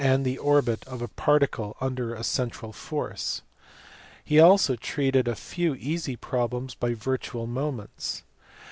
217 the orbit of a particle under a central force ; he also treated a few easy problems by virtual moments.